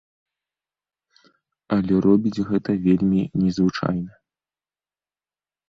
Але робіць гэта вельмі незвычайна.